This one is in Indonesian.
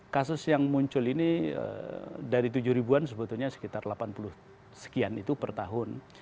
kasus yang muncul ini dari tujuh ribuan sebetulnya sekitar delapan puluh sekian itu per tahun